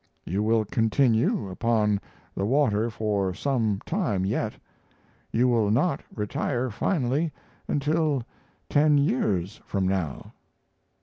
You will continue upon the water for some time yet; you will not retire finally until ten years from now....